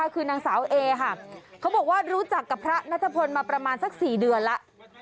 คือนางสาวเอค่ะเขาบอกว่ารู้จักกับพระนัทพลมาประมาณสัก๔เดือนแล้ว